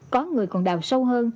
có người còn đào sâu hơn